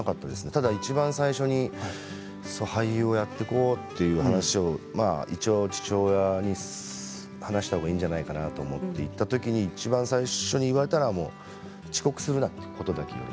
ただいちばん最初に俳優をやっていこうという話を一応、父親に話したほうがいいんじゃないかなと思っていたときにいちばん最初に言われたのは現場に遅刻をするなと。